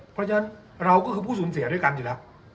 เพราะฉะนั้นเราก็คือผู้สูญเสียด้วยกันใช่ไหมครับ